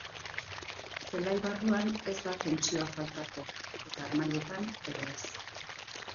Zelai barruan ez da tentsioa faltako, eta harmailetan ere ez.